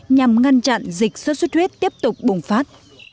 nhằm ngăn chặn dịch xuất xuất huyết tiếp tục bùng phát